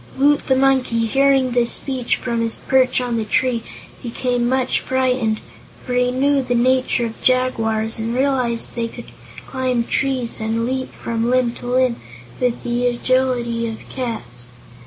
Woot the Monkey, hearing this speech from his perch on the tree, became much frightened, for he knew the nature of jaguars and realized they could climb trees and leap from limb to limb with the agility of cats.